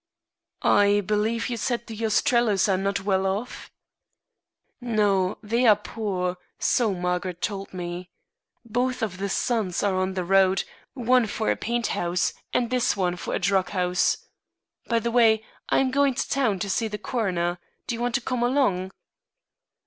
"I believe you said the Ostrellos are not well off?" "No; they are poor, so Margaret told me. Both of the sons are on the road, one for a paint house and this one for a drug house. By the way, I am going to town, to see the coroner. Do you want to come along?"